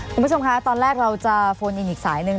คุณผู้ชมคะตอนแรกเราจะโฟนอินอีกสายหนึ่ง